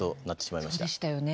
そうでしたよね。